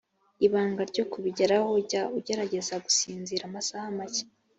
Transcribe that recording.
ibanga ryo kubigeraho jya ugerageza gusinzira amasaha make